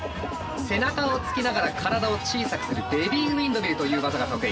背中をつけながら体を小さくするベビーウィンドミルという技が得意。